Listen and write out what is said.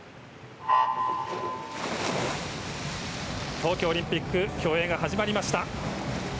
東京オリンピック競泳が始まりました。